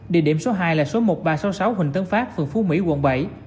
địa điểm số hai là số một nghìn ba trăm sáu mươi sáu huỳnh tấn phát phường phú mỹ quận bảy